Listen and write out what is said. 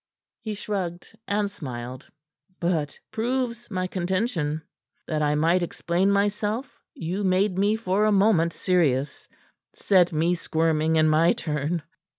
He shrugged and smiled. "But proves my contention. That I might explain myself, you made me for a moment serious, set me squirming in my turn."